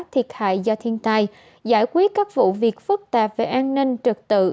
thiệt hại do thiên tai giải quyết các vụ việc phức tạp về an ninh trật tự